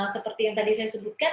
seperti yang tadi saya sebutkan